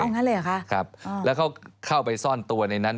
งั้นเลยเหรอคะครับแล้วเขาเข้าไปซ่อนตัวในนั้น